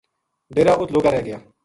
ڈیرا اُت لُگا رہ گیا